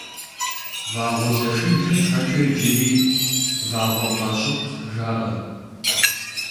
Вагъуэзэшиблым щхьэкӏэ иджыри Вагъуэкъащыкъ жаӏэ.